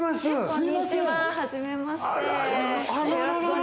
こんにちは、はじめまして。